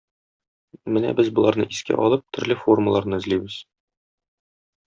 Менә без боларны искә алып, төрле формаларны эзлибез.